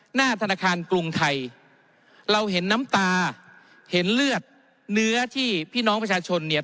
หน้าธนาคารกรุงไทยเราเห็นน้ำตาเห็นเลือดเนื้อที่พี่น้องประชาชนเนี่ย